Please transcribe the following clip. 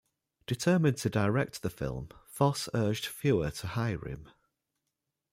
Determined to direct the film, Fosse urged Feuer to hire him.